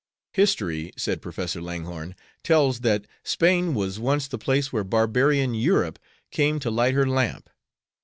"History," said Professor Langhorne, "tells that Spain was once the place where barbarian Europe came to light her lamp.